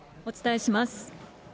お伝えします。